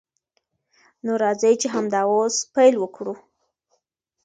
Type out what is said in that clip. نو راځئ چې همدا اوس پیل وکړو.